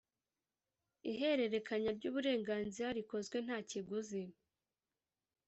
Ihererekanya ry uburenganzira rikozwe nta kiguzi